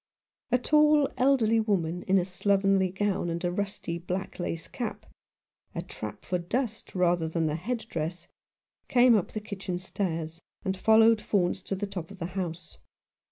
A tall, elderly woman, in a slovenly gown and a rusty black lace cap — a trap for dust rather than a head dress — came up the kitchen stairs, and followed Faunce to the top of the house.